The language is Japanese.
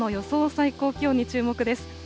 最高気温に注目です。